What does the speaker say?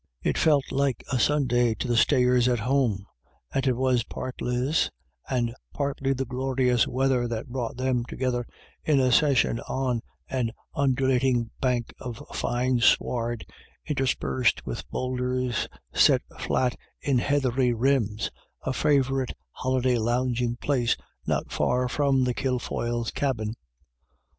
It felt like a Sunday to the stayers at home, and it was partly this, and partly the glorious weather that brought them together in a session on an undu lating bank of fine sward interspersed with boulders set flat in heathery rims, a favourite holiday lounge ing place, not far from the Kilfoyles' cabin.